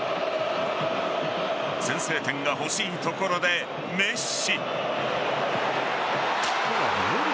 先制点が欲しいところでメッシ。